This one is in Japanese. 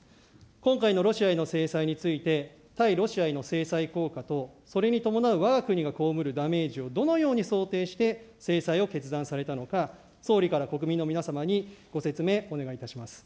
今回のロシアへの制裁について対ロシアへの制裁効果と、それに伴うわが国が被るダメージをどのように想定して制裁を決断されたのか、総理から国民の皆様にご説明お願いいたします。